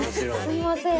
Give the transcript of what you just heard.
すいません。